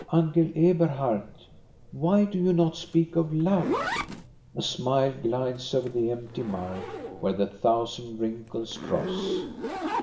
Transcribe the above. " Uncle Eberhard, why do you not speak of love? " A smile glides over the empty mouth where the thousand wrinkles cross.